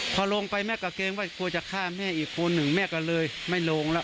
พอลงไปแม่ก็เกรงว่ากลัวจะฆ่าแม่อีกคนหนึ่งแม่ก็เลยไม่ลงแล้ว